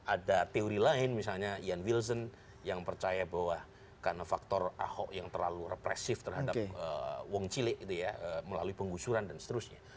ada teori lain misalnya ian wilson yang percaya bahwa karena faktor ahok yang terlalu represif terhadap wong cilik gitu ya melalui penggusuran dan seterusnya